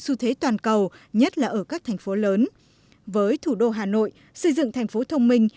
xu thế toàn cầu nhất là ở các thành phố lớn với thủ đô hà nội xây dựng thành phố thông minh